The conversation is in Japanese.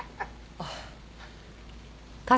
あっ。